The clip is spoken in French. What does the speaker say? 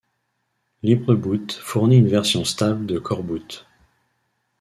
Libreboot fournit une version stable de coreboot.